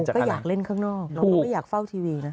อยากเล่นข้างนอกอยากเฝ้าทีวีนั่ง